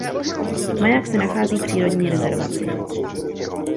Maják se nachází v přírodní rezervaci.